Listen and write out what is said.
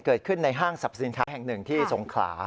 เกิดขึ้นในห้างสรรพสินค้าแห่งหนึ่งที่สงขลา